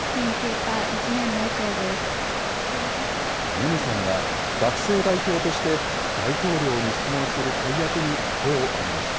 ネネさんは、学生代表として大統領に質問する大役に手を挙げました。